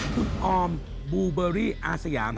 คุณออมบูเบอร์รี่อาเซียมนะ